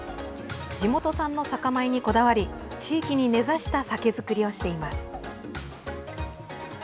地元産の酒米にこだわり地域に根差した酒造りをしています。